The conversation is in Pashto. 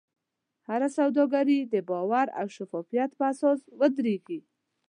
هره سوداګري د باور او شفافیت په اساس ودریږي.